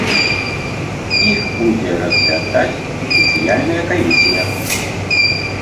Іх будзе разглядаць спецыяльная камісія.